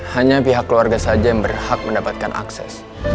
hanya pihak keluarga saja yang berhak mendapatkan akses